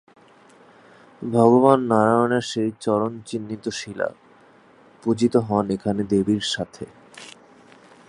ভগবান নারায়ণের সেই চরণ চিহ্নিত শিলা পূজিত হন এখানে দেবীর সাথে।